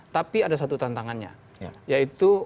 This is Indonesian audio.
tapi ada satu tantangannya yaitu